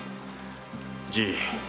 じい。